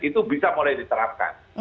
itu bisa mulai diterapkan